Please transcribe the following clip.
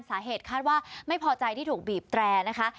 สาเหตุคาดว่าไม่พอใจที่ถูกบีบแตรนะคะ